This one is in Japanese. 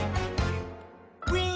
「ウィン！」